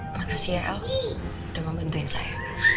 makasih ya aku udah membantuin saya